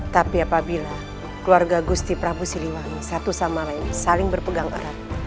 tapi apabila keluarga gusti prabu siliwangi satu sama lain saling berpegang erat